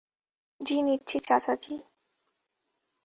জি নিচ্ছি, চাচাজি।